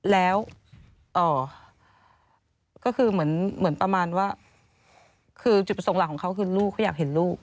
แล้วก็คือเหมือนประมาณว่าคือจุดประสงค์หลักของเขาคือลูกเขาอยากเห็นลูก